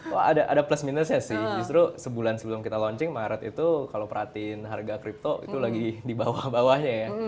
oh ada plus minusnya sih justru sebulan sebelum kita launching maret itu kalau perhatiin harga crypto itu lagi di bawah bawahnya ya